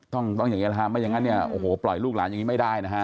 ต้องต้องอย่างนี้นะฮะไม่อย่างนั้นเนี่ยโอ้โหปล่อยลูกหลานอย่างนี้ไม่ได้นะฮะ